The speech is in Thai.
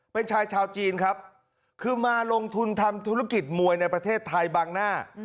เป็นชายชาวจีนครับคือมาลงทุนทำธุรกิจมวยในประเทศไทยบางหน้า